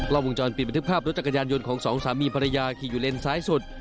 วงจรปิดบันทึกภาพรถจักรยานยนต์ของสองสามีภรรยาขี่อยู่เลนซ้ายสุด